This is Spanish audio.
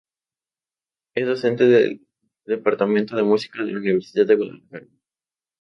Es docente del Departamento de Música de la Universidad de Guadalajara.